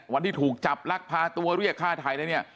วันที่ถูกจับลักพาตัวเรียกฆ่าไทยอะไรเนี่ย